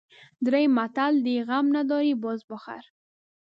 دري متل دی: غم نداری بز بخر.